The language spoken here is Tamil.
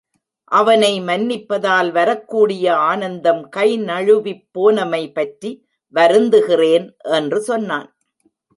அவனை மன்னிப்பதால் வரக்கூடிய ஆனந்தம் கைநழுவிப் போனமைபற்றி வருந்துகிறேன்! என்று சொன்னான்.